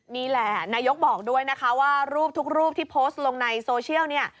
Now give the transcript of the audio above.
นี่แหละนายกบอกด้วยนะคะว่ารูปทุกรูปที่โพสต์ลงในโซเชียลเนี่ย